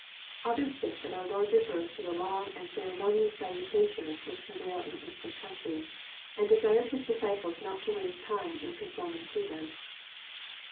Others think that oar Lord lefers to the long and ceremonious salutations which prevail in Eastern countries, and desired His disciples not to waste time in conforming to them.